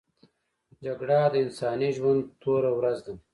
جګړه د انساني ژوند توره ورځ ده